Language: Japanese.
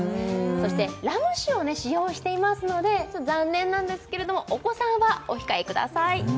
そしてラム酒を使用していますので残念なんですけれどもお子さんはお控えください